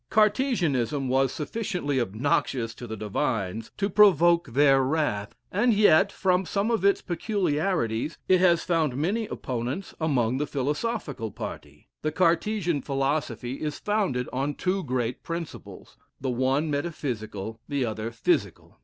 Cartesianism was sufficiently obnoxious to the divines to provoke their wrath; and yet, from some of its peculiarities, it has found many opponents amongst the philosophical party. The Cartesian philosophy is founded on two great principles, the one metaphysical, the other physical.